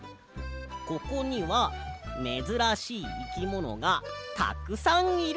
ここにはめずらしいいきものがたくさんいるんだぜ！